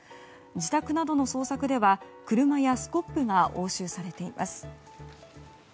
自宅などの捜索では車やスコップが押収されています。